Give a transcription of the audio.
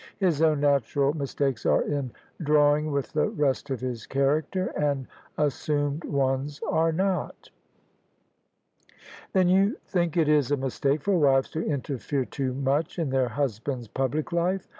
His ovm natural mis takes are in drawing with the rest of his character, and assumed ones are not." " Then you think it is a mistake for wives to interfere too much in their husband's public life?